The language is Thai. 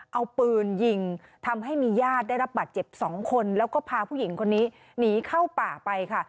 เอาปืนยิงทำให้มีญาติได้รับบาดเจ็บ๒คนแล้วก็พาผู้หญิงคนนี้หนีเข้าป่าไปค่ะ